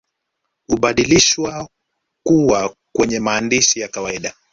Hubadilishwa kuwa kwenye maandishi ya kawaida